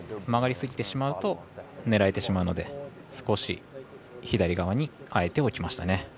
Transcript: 曲がりすぎてしまうと狙えてしまうので少し左側にあえて置きましたね。